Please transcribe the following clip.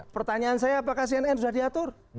pertanyaan saya apakah cnn sudah diatur